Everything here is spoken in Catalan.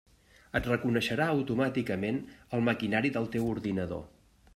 Et reconeixerà automàticament el maquinari del teu ordinador.